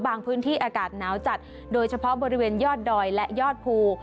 พื้นที่อากาศหนาวจัดโดยเฉพาะบริเวณยอดดอยและยอดภู